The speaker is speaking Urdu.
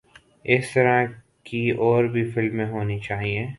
اس طرح کی اور بھی فلمیں ہونی چاہئے